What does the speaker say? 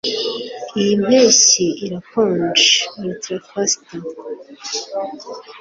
Iyi mpeshyi irakonje (Artfanster)